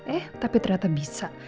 eh tapi ternyata bisa